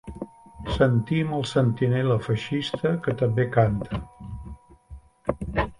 Sentim el sentinella feixista que també canta.